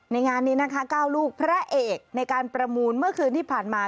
งานนี้นะคะ๙ลูกพระเอกในการประมูลเมื่อคืนที่ผ่านมา